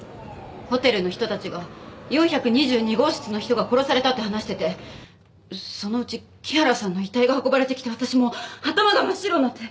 ホテルの人たちが４２２号室の人が殺されたって話しててそのうち木原さんの遺体が運ばれてきて私もう頭が真っ白になって。